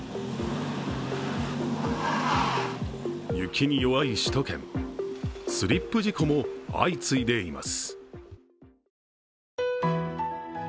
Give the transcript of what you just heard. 雪に弱い首都圏、スリップ事故も相次いでいます。